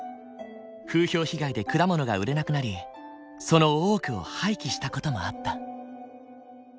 風評被害で果物が売れなくなりその多くを廃棄した事もあった。